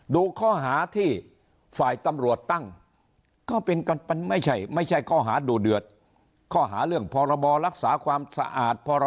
ดูข้อหาที่ฝ่ายตำรวจตั้งก็ไม่ใช่ข้อหาดูเดือด